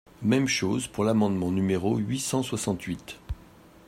Même chose pour l’amendement numéro huit cent soixante-huit.